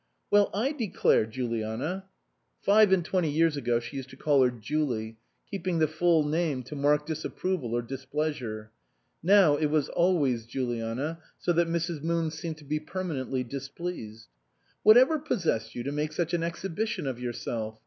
" Well, I declare, Juliana " (five and twenty years ago she used to call her " Jooley," keep ing the full name to mark disapproval or dis pleasure. Now it was always Juliana, so that Mrs. Moon seemed to be permanently displeased) "whatever possessed you to make such an exhibition of yourself?